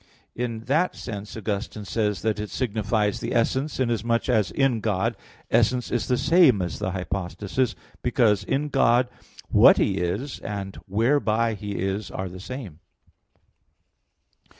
In that sense Augustine says that it signifies the essence, inasmuch as in God essence is the same as the hypostasis, because in God what He is, and whereby He is are the same.